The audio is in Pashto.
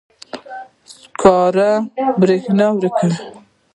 سکاره برېښنا ورکوي.